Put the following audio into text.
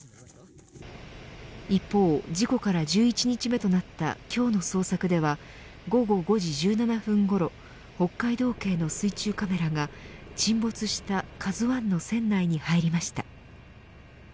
一方、事故から１１日目となった今日の捜索では午後５時１７分ごろ北海道警の水中カメラが沈没したＫＡＺＵ１の船内に入りました。